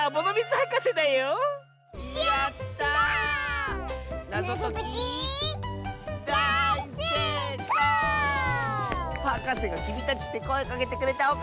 はかせが「きみたち」ってこえかけてくれたおかげだよ。